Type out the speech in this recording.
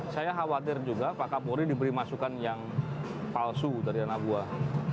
saya khawatir juga pak kapolri diberi masukan yang palsu dari anak buah